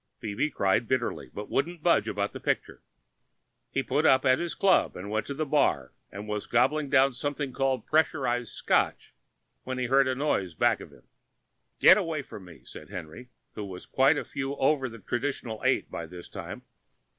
Phoebe cried bitterly, but wouldn't budge about the picture. Henry took the plane. He put up at his club, went to the bar, and was gobbling down something called pressurized scotch, when he heard a noise back of him. "Get away from me!" said Henry, who was quite a few over the traditional eight by this time.